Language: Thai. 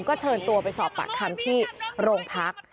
ก็เชิญตัวไปสอบปากคำที่โรงพัก